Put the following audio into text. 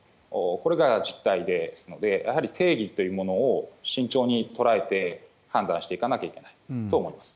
これが実態ですので、やはり定義というものを慎重に捉えて、判断していかなきゃいけないと思います。